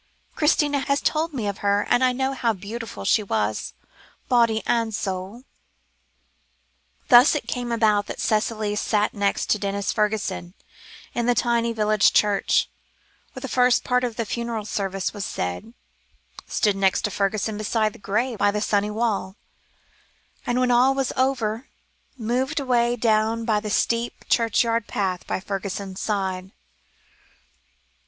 Christina has told me of her, and I know how beautiful she was, body and soul." Thus it came about that Cicely sat next to Denis Fergusson in the tiny village church, where the first part of the funeral service was said, stood next to Fergusson beside the grave by the sunny wall, and, when all was over, moved away down the steep churchyard path, by Fergusson's side.